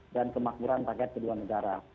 kemakmuran rakyat kedua negara